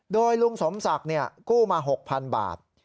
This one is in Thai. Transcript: โดยลุงสมศักดิ์กู้มา๖๐๐๐บาท